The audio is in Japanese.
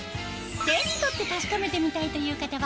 手に取って確かめてみたいという方は